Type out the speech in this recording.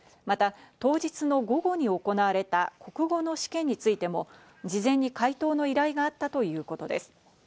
また当日の午後に行われた国語の試験についても事前に解答の依頼があったということです。